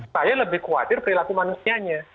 saya lebih khawatir perilaku manusianya